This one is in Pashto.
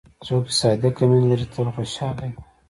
څوک چې صادق مینه لري، تل خوشحال وي.